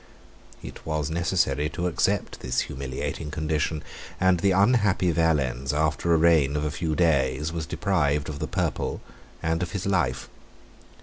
91 It was necessary to accept this humiliating condition; and the unhappy Valens, after a reign of a few days, was deprived of the purple and of his life.